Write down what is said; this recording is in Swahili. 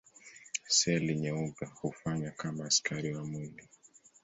Seli nyeupe hufanya kama askari wa mwili.